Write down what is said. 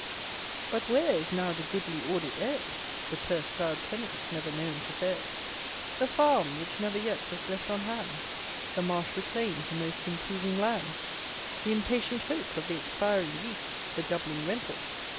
But where is now the goodly audit ale? The purse proud tenant, never known to fail? The farm which never yet was left on hand? The marsh reclaim'd to most improving land? The impatient hope of the expiring lease? The doubling rental?